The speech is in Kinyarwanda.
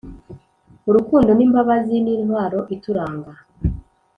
urukundo n’imbabazi n’intwaro ituranga